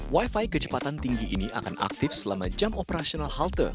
wifi kecepatan tinggi ini akan aktif selama jam operasional halte